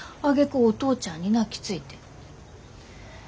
あげくお父ちゃんに泣きついて。